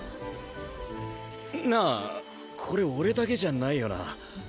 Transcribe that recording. なあこれ俺だけじゃないよな？